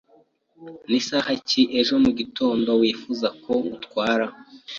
Nisaha ki ejo mugitondo wifuza ko ngutwara?